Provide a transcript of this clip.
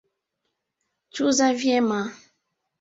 Chuza vyema